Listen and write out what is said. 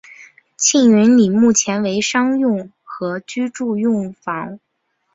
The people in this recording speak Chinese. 庆云里目前为商用和居住用房。